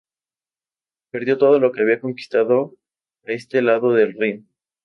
Perdió todo lo que había conquistado a este lado del Rin.